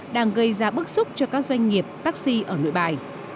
đang gây ra bức xúc cho các doanh nghiệp taxi ở nội bài